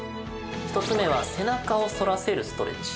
１つ目は背中を反らせるストレッチ。